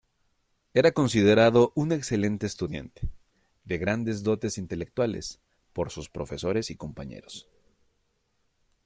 Era considerado un excelente estudiante, de grandes dotes intelectuales, por sus profesores y compañeros.